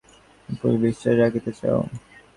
এখন, ইহার পরেও কি রমেশের উপর বিশ্বাস রাখিতে চাও?